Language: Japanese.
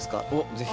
ぜひ。